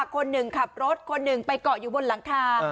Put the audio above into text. คนหนึ่งขับรถคนหนึ่งไปเกาะอยู่บนหลังคา